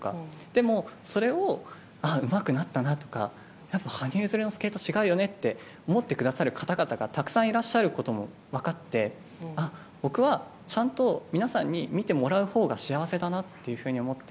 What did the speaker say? でも、それをうまくなったなとかやっぱり羽生結弦のスケートは違うよねと思ってくださる方がたくさんいらっしゃることも分かって僕は、ちゃんと皆さんに見てもらうほうが幸せだなと思って。